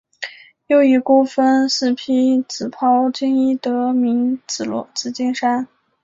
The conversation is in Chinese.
又以孤峰似披紫袍金衣得名紫金山。